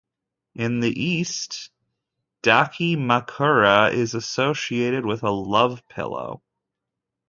In the East, "dakimakura" is associated with a love pillow.